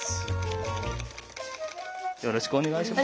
よろしくお願いします。